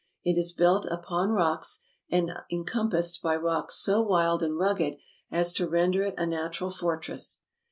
It is built upon rocks, and encompassed by rocks so wild and rugged as to render it a natural fortress.